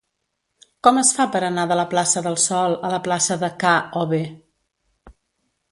Com es fa per anar de la plaça del Sol a la plaça de K-obe?